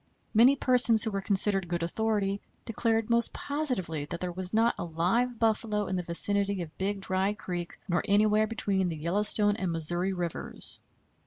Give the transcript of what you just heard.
Many persons who were considered good authority declared most positively that there was not a live buffalo in the vicinity of Big Dry Creek, nor anywhere between the Yellowstone and Missouri Rivers.